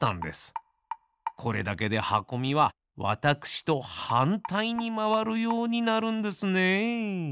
これだけではこみはわたくしとはんたいにまわるようになるんですね。